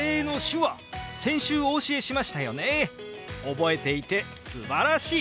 覚えていてすばらしい！